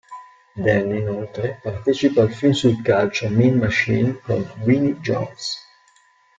Danny inoltre partecipa al film sul calcio "Mean Machine" con Vinnie Jones.